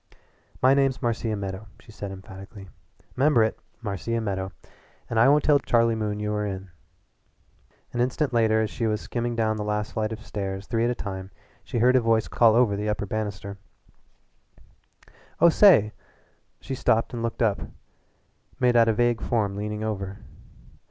"My name's Marcia Meadow," she said emphatically. "'Member it Marcia Meadow. And I won't tell Charlie Moon you were in." An instant later as she was skimming down the last flight of stairs three at a time she heard a voice call over the upper banister: "Oh, say " She stopped and looked up made out a vague form leaning over.